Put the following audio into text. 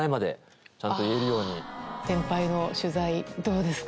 先輩の取材どうですか？